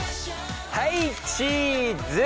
はいチーズ！